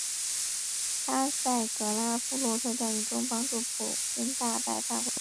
他在格拉夫洛特战役中帮助普军大败法国军队。